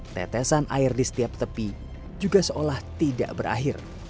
tetesan air di setiap tepi juga seolah tidak berakhir